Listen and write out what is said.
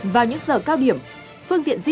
vào những giờ cao điểm phương tiện di chuyển